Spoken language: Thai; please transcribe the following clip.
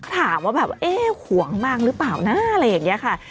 ถามว่าแบบเอ๊ะห่วงบ้างหรือเปล่านะอะไรอย่างนี้ค่ะ